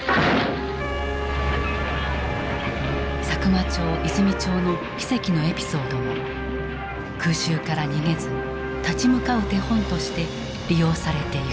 佐久間町・和泉町の奇跡のエピソードも空襲から逃げず立ち向かう手本として利用されていく。